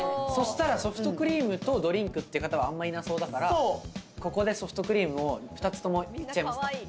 そしたら、ソフトクリームとドリンクっていう方は、あんまいなそうだから、ここでソフトクリームを２つともいっちゃいますか。